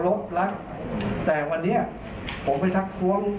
โรคลักษณ์แต่วันนี้ผมไม่ทักทุ้ง